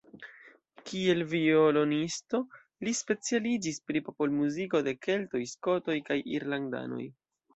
Kiel violonisto, li specialiĝis pri popolmuziko de keltoj, skotoj kaj irlandanoj.